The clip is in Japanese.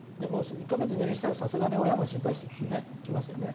１か月入院したら、さすがに親も心配してきますよね。